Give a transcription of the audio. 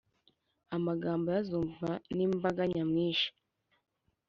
amagambo ye azumvwa n'imbaga nyamwinshi